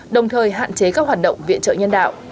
đồng thời hạn chế các hoạt động viện trợ nhân đạo